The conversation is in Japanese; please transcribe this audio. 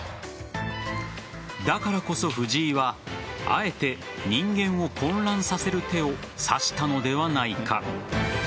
だからこそ、藤井はあえて人間を混乱させる手を指したのではないか。